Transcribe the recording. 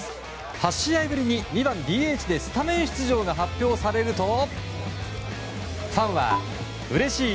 ８試合ぶりに２番ＤＨでスタメン出場が発表されるとファンは、うれしい！